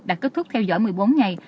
đã kết thúc theo dõi một mươi bốn ngày